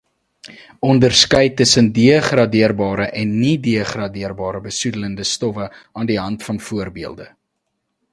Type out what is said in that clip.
Onderskei tussen degradeerbare en niedegradeerbare besoedelende stowwe aan die hand van voorbeelde.